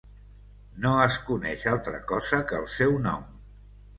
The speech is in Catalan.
No es coneix altra cosa que el seu nom.